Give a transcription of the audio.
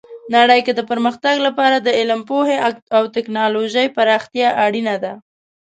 نړۍ کې د پرمختګ لپاره د علم، پوهې او ټیکنالوژۍ پراختیا اړینه ده.